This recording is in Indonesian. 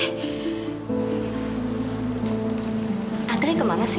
tante kemana sih